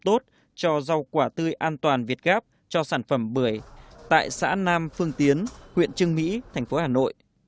tốt cho rau quả tươi an toàn việt gáp cho sản phẩm bưởi tại xã nam phương tiến huyện trưng mỹ thành phố hà nội